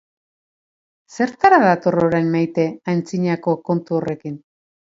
Zertara dator orain Maite antzinako kontu horrekin?